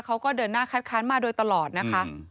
เขาก็เดินหน้าคัดค้านมาโดยตลอดนะคะ